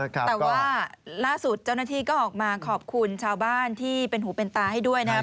แต่ว่าล่าสุดเจ้าหน้าที่ก็ออกมาขอบคุณชาวบ้านที่เป็นหูเป็นตาให้ด้วยนะครับ